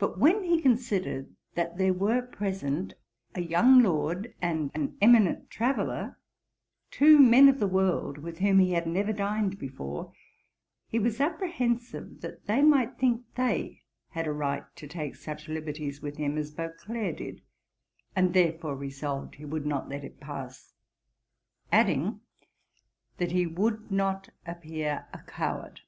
But when he considered that there were present a young Lord and an eminent traveller, two men of the world with whom he had never dined before, he was apprehensive that they might think they had a right to take such liberties with him as Beauclerk did, and therefore resolved he would not let it pass; adding, that 'he would not appear a coward.'